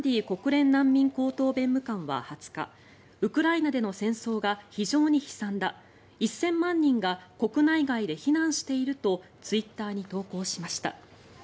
国連難民高等弁務官は２０日ウクライナでの戦争が非常に悲惨だ１０００万人が国内外で避難しているとツイッターに投稿しました。